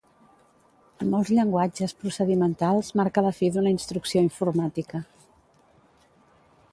En molts llenguatges procedimentals marca la fi d'una instrucció informàtica.